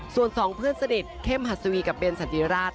ส่วนสองเพื่อนสนิทเข้มหัสวีกับเบนสันติราช